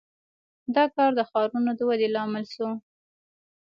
• دا کار د ښارونو د ودې لامل شو.